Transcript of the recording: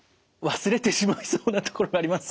忘れてしまいそうなところがありますが。